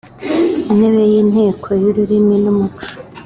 Intebe y’Inteko y’ururimi n’umuco